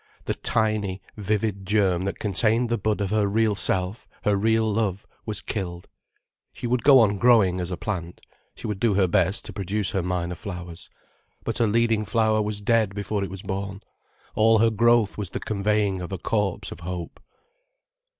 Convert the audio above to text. The tiny, vivid germ that contained the bud of her real self, her real love, was killed, she would go on growing as a plant, she would do her best to produce her minor flowers, but her leading flower was dead before it was born, all her growth was the conveying of a corpse of hope.